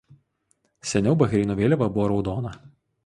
Seniau Bahreino vėliava buvo raudona.